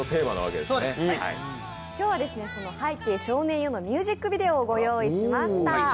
今日はその「拝啓、少年よ」のミュージックビデオをご用意しました。